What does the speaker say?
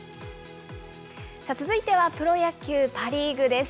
続いては、プロ野球・パ・リーグです。